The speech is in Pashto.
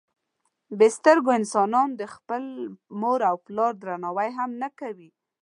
بې سترګو انسانان د خپل مور او پلار درناوی هم نه کوي.